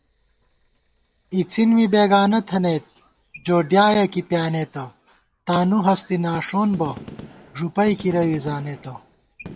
اِڅِن می بېگانہ تھنئیت ، جو ڈیایَہ کی پیانېتہ * تانُوہستے ناݭون بہ، ݫُپئی کِروے زانېتہ